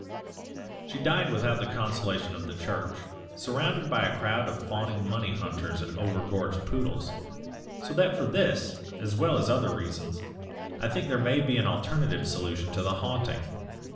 "She died without the consolation of the Church, surrounded by a crowd of fawning money hunters and over gorged poodles, so that for this, as well as other reasons I think there may be an alternative solution to the haunting.